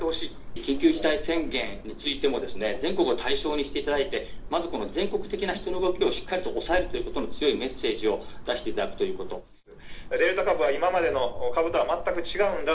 緊急事態宣言についても、全国を対象にしていただいて、まずこの全国的な人の動きをしっかりと抑えるということの、強いメッセージを出していただくデルタ株は今までの株とは全く違うんだ。